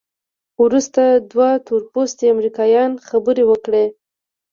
وروسته دوه تورپوستي امریکایان خبرې وکړې.